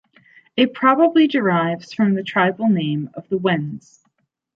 It probably derives from the tribal name of the Wends.